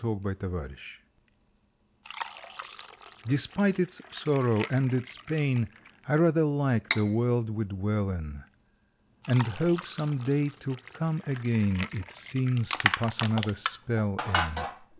July Twenty second T"\ESPITE its sorrow and its pain I rather like the world we dwell in, And hope some day to come again its scenes to pass another spell in.